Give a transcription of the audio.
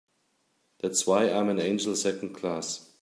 That's why I'm an angel Second Class.